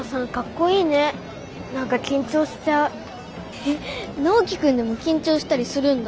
えっナオキ君でも緊張したりするんだ。